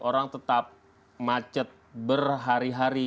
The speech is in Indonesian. orang tetap macet berhari hari